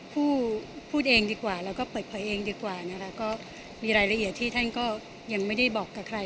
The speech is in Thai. พูดพูดเองดีกว่าเราก็เปิดเผยเองดีกว่านะคะก็มีรายละเอียดที่ท่านก็ยังไม่ได้บอกกับใคร